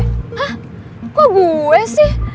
hah kok gue sih